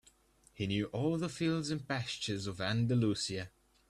He knew all the fields and pastures of Andalusia.